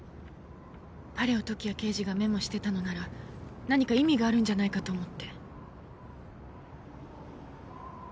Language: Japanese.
パレオ時矢刑事がメモしてたのなら何か意味があるんじゃないかと思って。